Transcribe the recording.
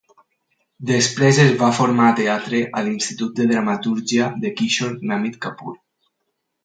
Després es va formar a teatre al institut de dramatúrgia de "Kishore Namit Kapoor".